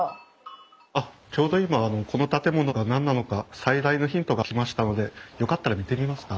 あっちょうど今この建物が何なのか最大のヒントが来ましたのでよかったら見てみますか？